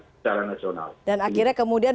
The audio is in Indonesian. secara nasional dan akhirnya kemudian